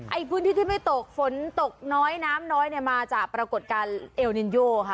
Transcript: ไอ้พื้นที่ไม่ตกฝนตกน้อยน้ำน้อยมาจากปรากฏการณ์เอลเนโย้ค่ะ